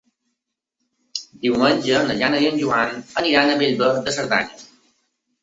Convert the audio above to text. Diumenge na Jana i en Joan iran a Bellver de Cerdanya.